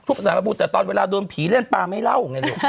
ทุบสารประภูมิแต่ตอนเวลาโดนผีเล่นปลาไม่เล่า